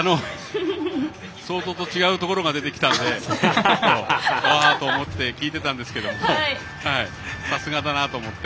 想像と違うところが出てきたのでわーと思って聞いてたんですがさすがだなと思って。